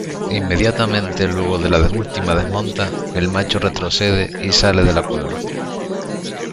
Inmediatamente luego de la última desmonta, el macho retrocede y sale de la cueva.